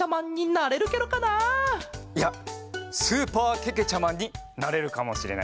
いやスーパーけけちゃマンになれるかもしれないね。